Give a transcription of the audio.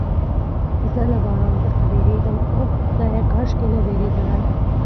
زه له باران څخه بیریږم، اوه خدایه، کاشکې نه بیریدلای.